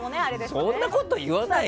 そんなこと言わないよ